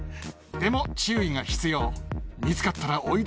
でも注意が必要。